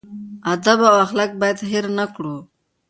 ادب او اخلاق باید هېر نه کړو.